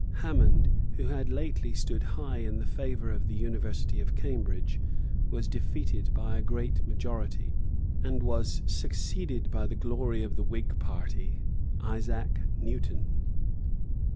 Hammond, who had lately stood high in the favour of the University of Cambridge, was defeated by a great majority, and was succeeded by the glory of the Whig party, Isaac Newton.